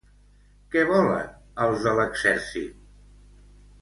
Què volen els de l'exèrcit?